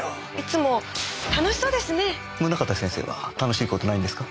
宗方先生は楽しい事ないんですか？